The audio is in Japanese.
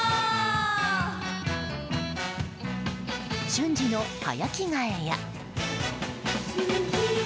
瞬時の早着替えや。